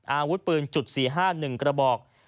อาวุธปืนจุด๔๕๑กระบอก